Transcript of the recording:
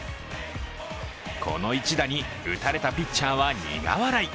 この一打に、打たれたピッチャーは苦笑い。